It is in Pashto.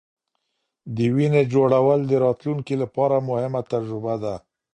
د وینې جوړول د راتلونکې لپاره مهمه تجربه ده.